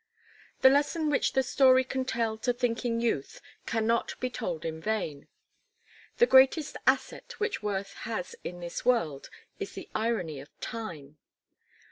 The lesson which the story can tell to thinking youth cannot be told in vain. The greatest asset which worth has in this world is the irony of time.